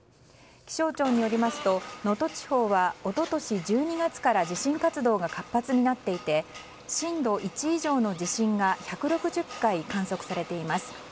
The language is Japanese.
気象庁によりますと能登地方は一昨年１２月から地震活動が活発になっていて震度１以上の地震が１６０回観測されています。